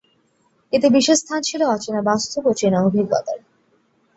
এতে বিশেষ স্থান ছিল অচেনা বাস্তব ও চেনা অভিজ্ঞতার।